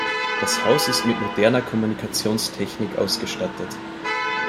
Das Haus ist mit moderner Kommunikationstechnik ausgestattet.